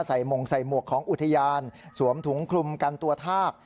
หม่งใส่หมวกของอุทยานสวมถุงคลุมกันตัวทาก